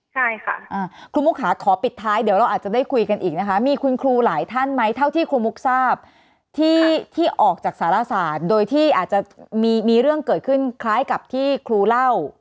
ใช่ค่ะครูมุกค่ะขอปิดท้ายเดี๋ยวเราอาจจะได้คุยกันอีกนะคะมีคุณครูหลายท่านไหมเท่าที่ครูมุกทราบที่ออกจากสารศาสตร์โดยที่อาจจะมีเรื่องเกิดขึ้นคล้ายกับที่ครูเล่า